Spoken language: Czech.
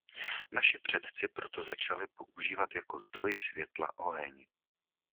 Naši předci proto začali používat jako zdroj světla oheň.